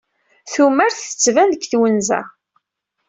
Tumert tettban deg twenza.